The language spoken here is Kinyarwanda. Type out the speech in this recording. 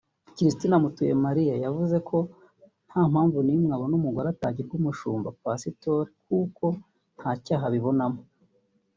Christine Mutuyemariya yavuze ko nta mpamvu n’imwe abona umugore atagirwa umushumba (Pasitori) kuko ngo nta cyaha abibonamo